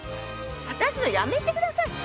私のやめて下さい。